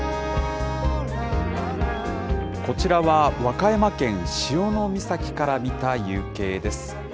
こちらは和歌山県潮岬から見た夕景です。